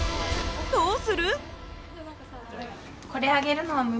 どうする？